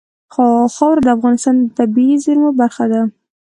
خاوره د افغانستان د طبیعي زیرمو برخه ده.